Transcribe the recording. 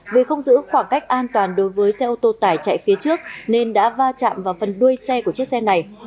vì không giữ khoảng cách an toàn đối với xe ô tô tải chạy phía trước nên đã va chạm vào phần đuôi xe của chiếc xe này